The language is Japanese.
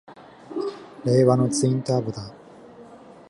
令和のツインターボだ！